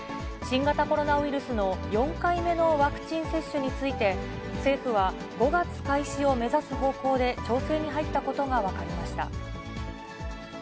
新型コロナウイルスの４回目のワクチン接種について、政府は５月開始を目指す方向で調整に入ったことが分かりました。